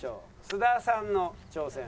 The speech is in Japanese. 須田さんの挑戦。